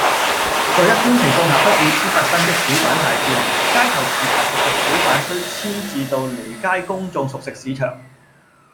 在一般情況下不會簽發新的小販牌照，街頭持牌熟食小販須遷置到離街公眾熟食市場